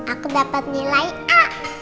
aku dapat nilai a